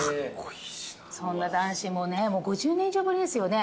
そんな男子もねもう５０年以上ぶりですよね。